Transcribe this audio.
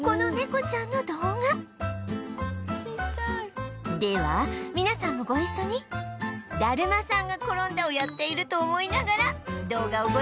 「ちっちゃい」では皆さんもご一緒にだるまさんが転んだをやっていると思いながら動画をご覧ください